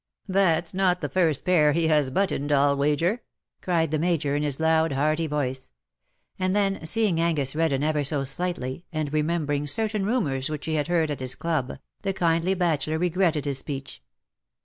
^^ That's not the first pair he has buttoned,, Til wager/' cried the Major^ in his loud, hearty voice ; and then, seeing Angus redden ever so slightly, and remembering certain rumours which he had heard at his club, the kindly bachelor regretted his speech.